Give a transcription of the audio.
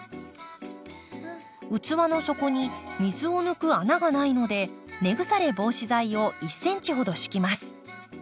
器の底に水を抜く穴がないので根腐れ防止剤を１ｃｍほど敷きます。